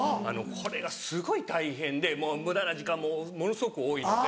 これがすごい大変で無駄な時間もものすごく多いので。